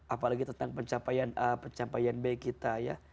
apalagi tentang pencapaian a pencapaian b kita ya